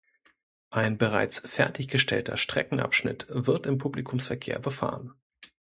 Ein bereits fertiggestellter Streckenabschnitt wird im Publikumsverkehr befahren.